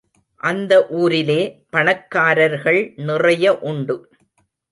அந்த ஊரிலே பணக்காரர்கள் நிறைய உண்டு.